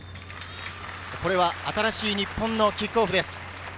これは新しい日本のキックオフです。